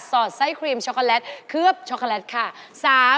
อดไส้ครีมช็อกโกแลตเคลือบช็อกโกแลตค่ะ